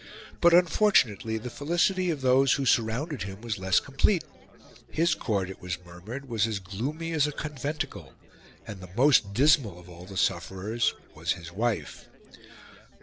But unfortunately the felicity of those who surrounded him was less complete. His Court, it was murmured, was as gloomy as a conventicle, and the most dismal of all the sufferers was his wife.